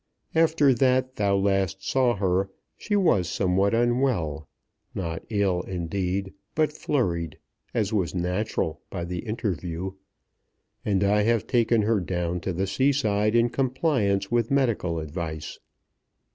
After that thou last saw her she was somewhat unwell, not ill, indeed, but flurried, as was natural, by the interview. And I have taken her down to the seaside in compliance with medical advice.